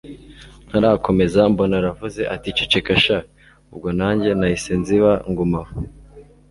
ntarakomeza mbona aravuze ati ceceka sha! ubwo nanjye nahise nziba nguma aho